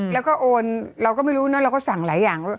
แล้วก็โอนเราก็ไม่รู้นะเราก็สั่งหลายอย่าง